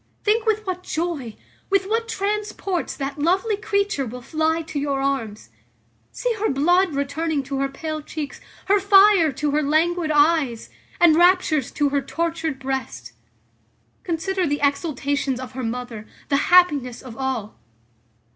Think with what joy, with what transports that lovely creature will fly to your arms. See her blood returning to her pale cheeks, her fire to her languid eyes, and raptures to her tortured breast. Consider the exultations of her mother, the happiness of all.